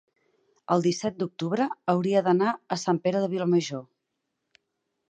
el disset d'octubre hauria d'anar a Sant Pere de Vilamajor.